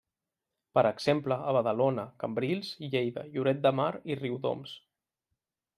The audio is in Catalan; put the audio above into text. Per exemple, a Badalona, Cambrils, Lleida, Lloret de Mar i Riudoms.